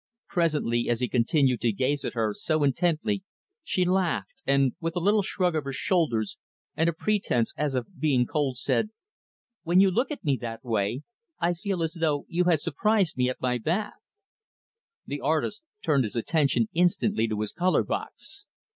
Presently as he continued to gaze at her so intently, she laughed; and, with a little shrug of her shoulders and a pretense as of being cold, said, "When you look at me that way, I feel as though you had surprised me at my bath." The artist turned his attention instantly to his color box.